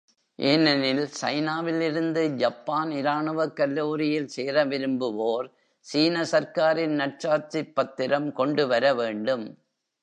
ஏனெனில் சைனாவிலிருந்து ஜப்பான் இராணுவக் கல்லூரியில் சேர விரும்புவோர் சீன சர்க்காரின் நற்சாட்சிப் பத்திரம் கொண்டுவர வேண்டும்.